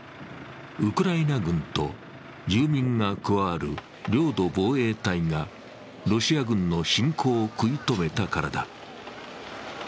ウクライナ軍と住民が加わる領土防衛隊がロシア軍の侵攻を食い止めたからだ。